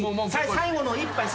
最後の１杯。